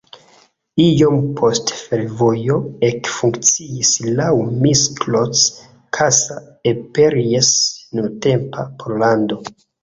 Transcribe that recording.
Iom poste fervojo ekfunkciis laŭ Miskolc-Kassa-Eperjes-nuntempa Pollando.